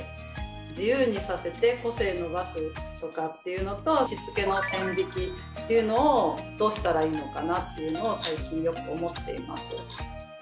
自由にさせて個性伸ばすとかっていうのとしつけの線引きっていうのをどうしたらいいのかなっていうのを最近よく思っています。